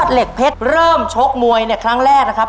เหล็กเพชรเริ่มชกมวยเนี่ยครั้งแรกนะครับ